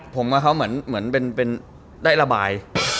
ผมว่าเขาเหมือนเป็นได้ระบาย